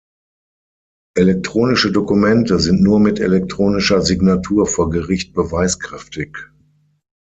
Elektronische Dokumente sind nur mit elektronischer Signatur vor Gericht beweiskräftig.